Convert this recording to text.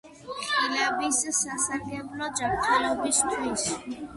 ხილები სასარგებლოა ჯამთველობისთვის